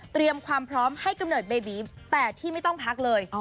ความพร้อมให้กำเนิดเบบีแต่ที่ไม่ต้องพักเลย